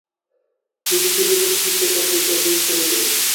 বিপিন কিছুদূর হইতে ঘর দেখাইয়া দিয়া চলিয়া গেল।